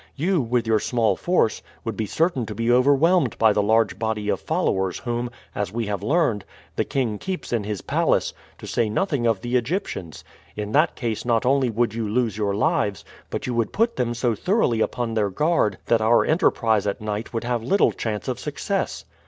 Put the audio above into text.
You, with your small force, would be certain to be overwhelmed by the large body of followers whom, as we have learned, the king keeps in his palace, to say nothing of the Egyptians. In that case not only would you lose your lives, but you would put them so thoroughly upon their guard that our enterprise at night would have little chance of success."